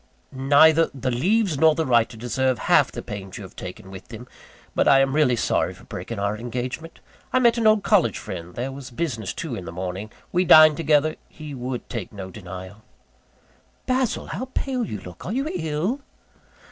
"Neither the leaves nor the writer deserve half the pains you have taken with them; but I am really sorry for breaking our engagement. I met an old college friend there was business too, in the morning we dined together he would take no denial." "Basil, how pale you look! Are you ill?"